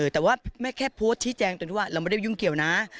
แต่ว่าแม่แค่โพสต์ชี้แจงตรงที่ว่าเราไม่ได้ยุ่งเกี่ยวนะ